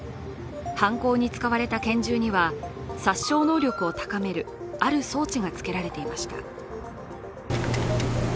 犯行に使われた拳銃には殺傷能力を高めるある装置がつけられていました。